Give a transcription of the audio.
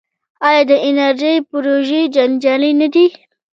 آیا د انرژۍ پروژې جنجالي نه دي؟